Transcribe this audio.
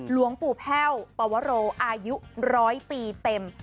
หลวงปู่แพ่วปวโรอายุร้อยปีเต็ม